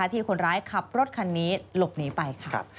ที่คนร้ายขับรถคันนี้หลบหนีไปค่ะ